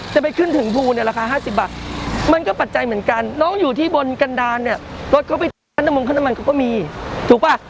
ไปขึ้นถึงภูเนี่ยราคา๕๐บาทมันก็ปัจจัยเหมือนกันน้องอยู่ที่บนกันดาลเนี่ยรถเขาไปค่าน้ำมงค่าน้ำมันเขาก็มีถูกป่ะ